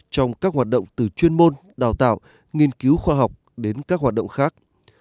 trong các hoạt động từ chuyên môn đào tạo nghiên cứu khoa học đến các hoạt động khác